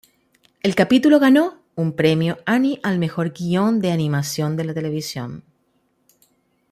El capítulo ganó un premio Annie al "Mejor Guion de Animación de la Televisión".